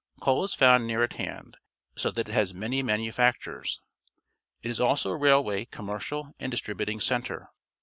Coal is found near at hand, so that it has many manufactures. It is also a railway, commercial, and distributing centre.